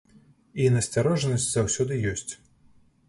І насцярожанасць заўсёды ёсць.